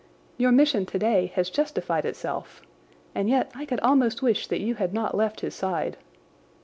Your mission today has justified itself, and yet I could almost wish that you had not left his side.